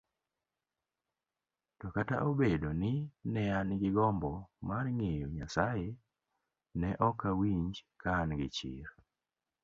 To kata obedo ni nean gi gombo marng'eyo Nyasaye, ne okawinj kaan gichir